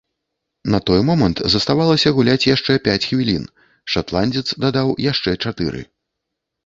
На той момант заставалася гуляць яшчэ пяць хвілін, шатландзец дадаў яшчэ чатыры.